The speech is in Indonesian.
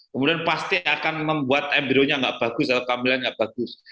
kemudian pasti akan membuat embryonya nggak bagus atau kehamilan nggak bagus